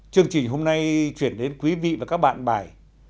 chương trình hôm nay chuyển đến quý vị và các bạn bài